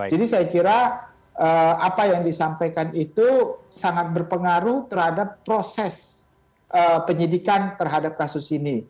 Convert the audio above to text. jadi saya kira apa yang disampaikan itu sangat berpengaruh terhadap proses penyidikan terhadap kasus ini